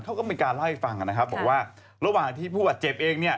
เขาก็ไม่การเล่าให้บับว่าระหว่างที่ผู้ปัดเจ็บเอง